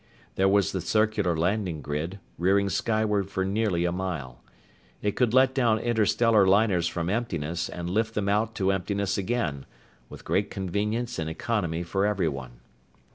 There was the circular landing grid, rearing skyward for nearly a mile. It could let down interstellar liners from emptiness and lift them out to emptiness again, with great convenience and economy for everyone.